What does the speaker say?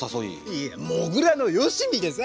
いやもぐらのよしみでさ。